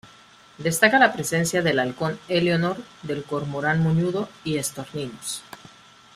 Destaca la presencia del halcón Eleonor, del cormorán moñudo y estorninos.